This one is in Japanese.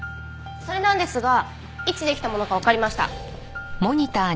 それなんですがいつできたものかわかりました。